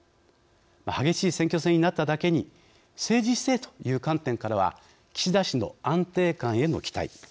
激しい選挙戦になっただけに政治姿勢という観点からは岸田氏の安定感への期待。